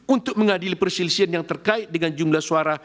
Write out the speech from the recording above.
untuk mengadili perselisihan yang terkait dengan jumlah suara